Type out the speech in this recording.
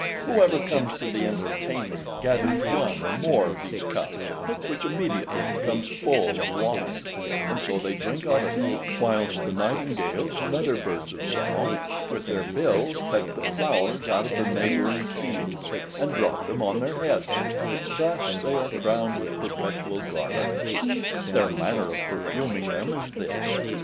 Whoever comes to the entertainment gathers one or more of these cups, which immediately, becomes full of wine, and so they drink of it, whilst the nightingales and other birds of song, with their bills peck the flowers out of the neighbouring fields, and drop them on their heads; thus are they crowned with perpetual garlands. Their manner of perfuming them is this.